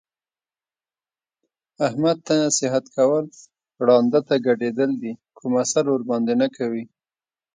احمد ته نصیحت کول ړانده ته ګډېدل دي کوم اثر ورباندې نه کوي.